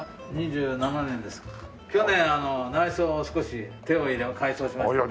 去年内装を少し手を入れて改装しました。